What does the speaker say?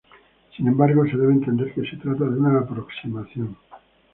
Sin embargo se debe entender que se trata de una aproximación.